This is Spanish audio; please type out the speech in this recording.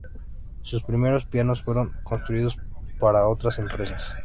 Sus primeros pianos fueron construidos para otras empresas.